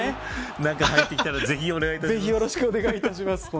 何か入ってきたらぜひ、よろしくお願いします。